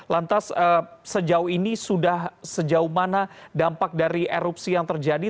lantas sejauh ini sudah sejauh mana dampak dari erupsi yang terjadi